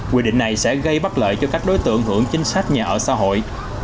quy định này sẽ gây bất lợi cho các đối tượng hưởng chính sách nhà ở xã hội